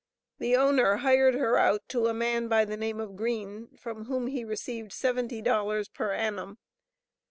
The owner hired her out to a man by the name of Green, from whom he received seventy dollars per annum.